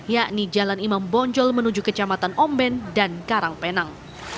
yakni jalan imam bonjol menuju kecamatan omben dan karangpenang